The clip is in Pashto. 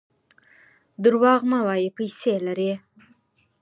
درواغ مه وایه ! پیسې لرې.